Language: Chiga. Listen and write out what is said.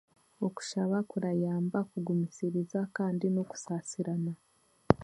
Okushaba kurayamba kugumisiriza kandi n'okusaasirana.